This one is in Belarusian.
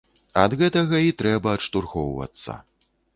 Ад гэтага і трэба адштурхоўвацца.